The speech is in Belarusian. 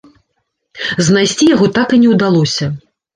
Знайсці яго так і не ўдалося.